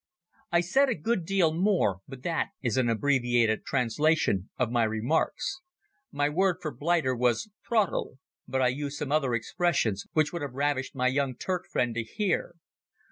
I said a good deal more, but that is an abbreviated translation of my remarks. My word for "blighter" was trottel, but I used some other expressions which would have ravished my young Turk friend to hear.